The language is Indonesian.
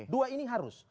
dua ini harus